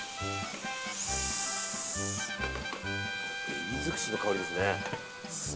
エビ尽くしの香りですね。